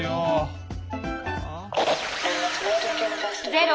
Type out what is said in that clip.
ゼロ！